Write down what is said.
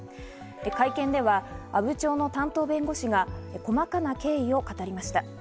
会見では阿武町の担当弁護士が細かな経緯を語りました。